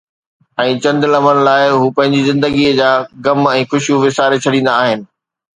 ۽ چند لمحن لاءِ هو پنهنجي زندگيءَ جا غم ۽ خوشيون وساري ڇڏيندا آهن.